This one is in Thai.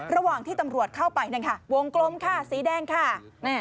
ระหว่างที่ตำรวจเข้าไปนะคะวงกลมค่ะสีแดงค่ะ